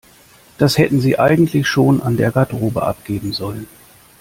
Das hätten Sie eigentlich schon an der Garderobe abgeben sollen.